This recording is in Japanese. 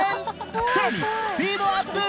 更に、スピードアップ！